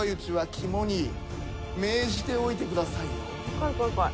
怖い怖い怖い。